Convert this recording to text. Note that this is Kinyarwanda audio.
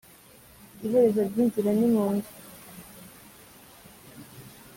Iherezo ry'inzira ni mu nzu.